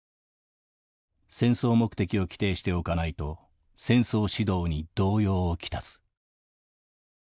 戦争目的を規定しておかないと戦争指導に動揺を来す」。